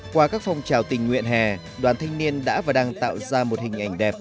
qua các phong trào tình nguyện hè đoàn thanh niên đã và đang tạo ra một hình ảnh đẹp